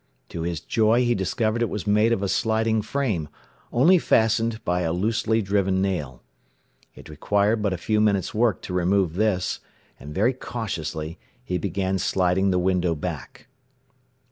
To his joy he discovered it was made of a sliding frame, only fastened by a loosely driven nail. It required but a few minutes' work to remove this, and very cautiously he began sliding the window back.